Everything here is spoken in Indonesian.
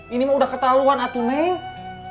ini mah udah ketahuan atuh nenek